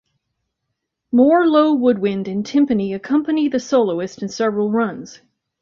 More low woodwind and timpani accompany the soloist in several runs.